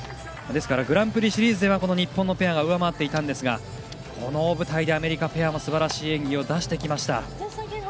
ですからグランプリシリーズでは日本のペアが上回っていたんですがこの大舞台でアメリカペアもすばらしい演技を出してきました。